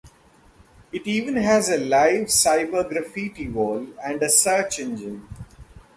It even has a live cyber graffiti wall and a search engine.